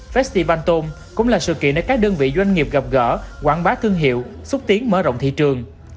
festival tôn cũng là sự kiện để các đơn vị doanh nghiệp gặp gỡ quảng bá thương hiệu xúc tiến mở rộng thị trường